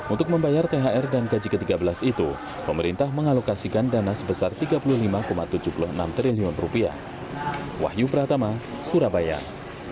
untuk membayar thr dan gaji ke tiga belas itu pemerintah mengalokasikan dana sebesar rp tiga puluh lima tujuh puluh enam triliun